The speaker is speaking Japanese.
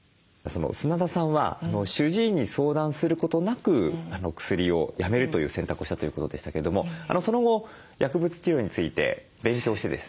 砂田さんは主治医に相談することなく薬をやめるという選択をしたということでしたけれどもその後薬物治療について勉強してですね